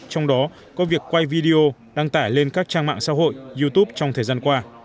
trong đó có việc quay video đăng tải lên các trang mạng xã hội youtube trong thời gian qua